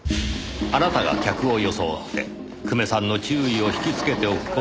あなたが客を装って久米さんの注意を引きつけておく事にした。